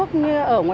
cháu không có